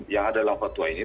yang ada dalam fatwa ini